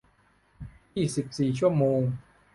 ยี่สิบสี่ ชั่วโมง